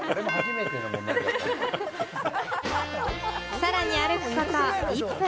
さらに歩くこと１分。